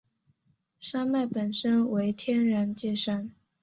山脉本身为天然界山。